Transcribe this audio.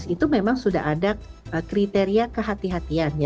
itu memang sudah ada kriteria kehatian